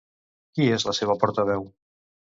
Qui és la seva portaveu?